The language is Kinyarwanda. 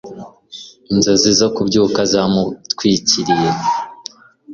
Inzozi zo kubyuka zamutwikiriye